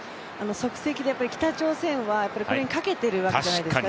即席で、北朝鮮はこれにかけているわけでじゃないですか。